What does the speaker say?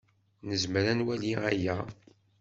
Nezmer ad nwali aya.